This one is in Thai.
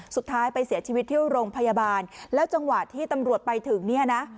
สุดท้ายไปเสียชีวิตที่โรงพยาบาลแล้วจังหวะที่ตำรวจไปถึงเนี่ยนะ